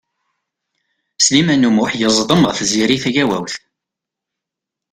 Sliman U Muḥ yeẓdem ɣef Tiziri Tagawawt.